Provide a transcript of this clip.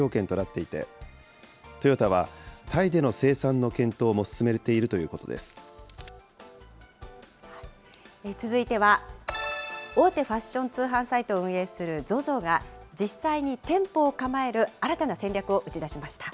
続いては、大手ファッション通販サイトを運営するＺＯＺＯが、実際に店舗を構える新たな戦略を打ち出しました。